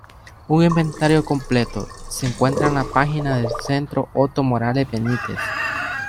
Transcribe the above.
Un inventario completo, se encuentra en la página del Centro Otto Morales Benítez.